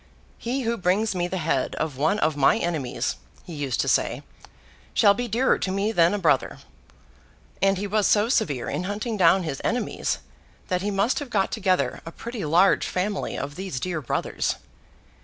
'He who brings me the head of one of my enemies,' he used to say, 'shall be dearer to me than a brother.' And he was so severe in hunting down his enemies, that he must have got together a pretty large family of these dear brothers.